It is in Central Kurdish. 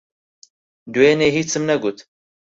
دوێنێ، ھیچم نەگوت.